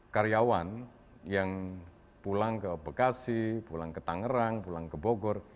karyawan yang pulang ke bekasi pulang ke tangerang pulang ke bogor